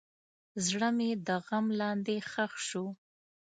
زړه مې د غم لاندې ښخ شو.